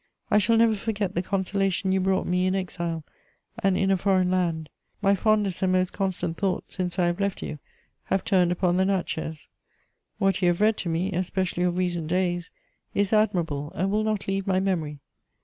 I shall never forget the consolation you brought me in exile and in a foreign land. My fondest and most constant thoughts, since I have left you, have turned upon the Natchez. What you have read to me, especially of recent days, is admirable and will not leave my memory.